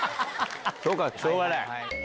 しょうがない。